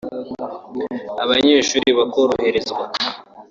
abanyeshuri bakoroherezwa